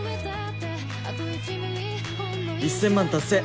「１０００万達成！